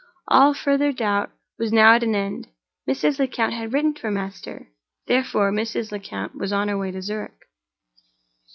All further doubt was now at an end. Mrs. Lecount had written to her master—therefore Mrs. Lecount was on her way to Zurich!